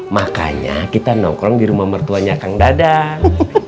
makanya kita nongkrong di rumah mertuanya kang dadang